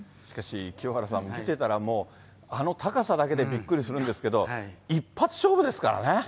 しかし清原さん、見てたらもう、あの高さだけでびっくりするんですけれども、一発勝負ですからね。